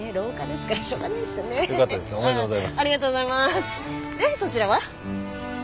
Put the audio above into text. でそちらは？